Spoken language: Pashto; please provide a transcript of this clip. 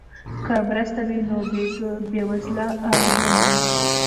که مرسته وي نو بیوزله نه مري.